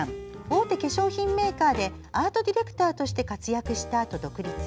大手化粧品メーカーでアートディレクターとして活躍したあと、独立。